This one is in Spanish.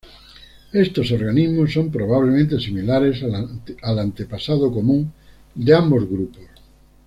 Estos organismos son probablemente similares al antepasado común de ambos grupos.